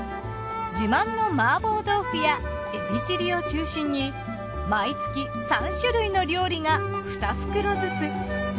自慢の麻婆豆腐やエビチリを中心に毎月３種類の料理が２袋ずつ。